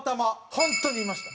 本当にいました。